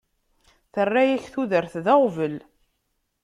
Terra-yak tudert d aɣbel.